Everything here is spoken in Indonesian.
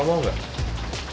lo mau gak